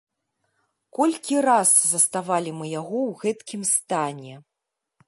Колькі раз заставалі мы яго ў гэткім стане.